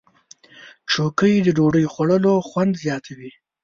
چوکۍ د ډوډۍ خوړلو خوند زیاتوي.